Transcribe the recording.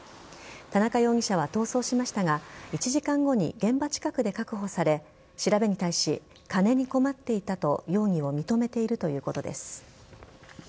田中容疑者は逃走しましたが１時間後に現場近くで確保され調べに対し金に困っていたと容疑を認めているということです。